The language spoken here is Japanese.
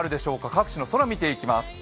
各地の空、見ていきます。